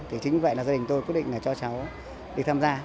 thì chính vì vậy là gia đình tôi quyết định là cho cháu đi tham gia